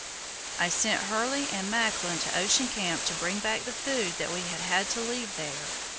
I sent Hurley and Macklin to Ocean Camp to bring back the food that we had had to leave there.